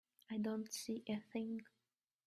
I don't see a thing.